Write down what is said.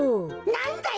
なんだよ！